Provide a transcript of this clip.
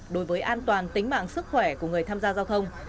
đối với an toàn tính mạng sức khỏe của người tham gia giao thông